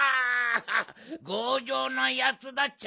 ごうじょうなやつだっちゃね！